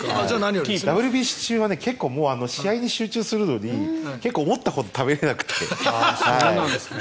ＷＢＣ中は結構、試合に集中するのに結構、思ったほど食べられなくて。